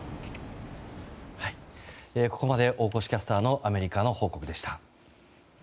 ここまで大越キャスターのアメリカの報告でした。